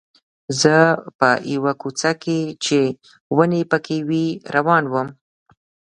زه په یوه کوڅه کې چې ونې پکې وې روان وم.